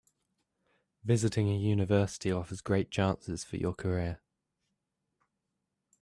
Visiting a university offers great chances for your career.